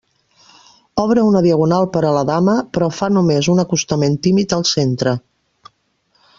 Obre una diagonal per a la dama, però fa només un acostament tímid al centre.